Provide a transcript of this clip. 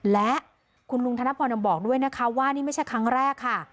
และคุณลุงธนพรยังบอกด้วยนะคะว่านี่ไม่ใช่ครั้งแรกค่ะ